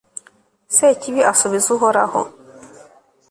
sekibi asubiza uhoraho